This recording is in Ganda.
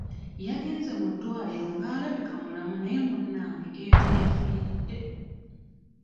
Yagenze mu ddwaliro nga alabika mulamu naye munnange eyo gye yafiiridde.